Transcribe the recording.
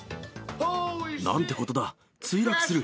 なんてことだ、墜落する。